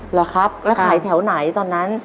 เหรอครับแล้วขายแถวไหนตอนนั้น